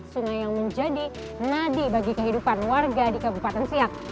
sungai yang menjadi nadi bagi kehidupan warga di kabupaten siak